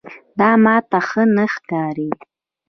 دا ماته ښه نه ښکاري.